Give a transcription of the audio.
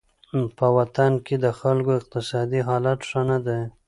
په وطن کې د خلکو اقتصادي حالت ښه نه دی.